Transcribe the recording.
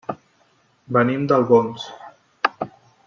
Venim d'Albons.